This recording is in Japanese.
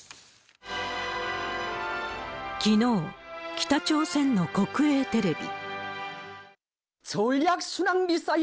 きのう、北朝鮮の国営テレビ。